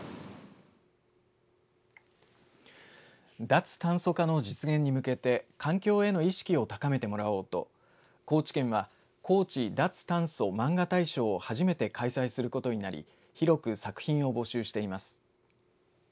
脱炭素化の実現に向けて環境への意識を高めてもらおうと高知県はこうち脱炭素まんが大賞を初めて開催することになり広く作品を募集しています。